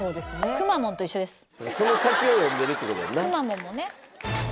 くまモンもね。